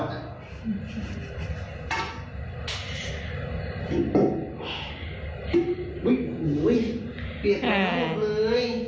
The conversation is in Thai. เปลี่ยนแล้วเลย